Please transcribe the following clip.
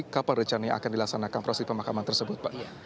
kapan rencana yang akan dilaksanakan proses pemakaman tersebut pak